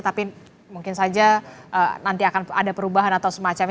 tapi mungkin saja nanti akan ada perubahan atau semacamnya